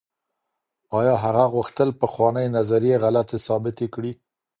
آيا هغه غوښتل پخوانۍ نظريې غلطې ثابتې کړي؟